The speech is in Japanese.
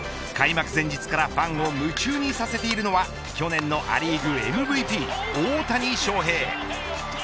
開幕前日からファンを夢中にさせているのは去年のア・リーグＭＶＰ大谷翔平。